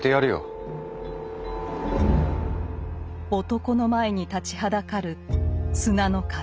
男の前に立ちはだかる砂の壁。